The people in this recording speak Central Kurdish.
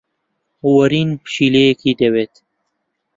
وەرین پشیلەیەکی دەوێت.